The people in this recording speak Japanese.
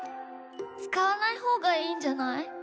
つかわないほうがいいんじゃない？